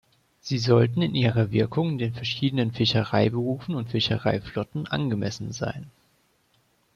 Sie sollten in ihrer Wirkung den verschiedenen Fischereiberufen und Fischereiflotten angemessen sein.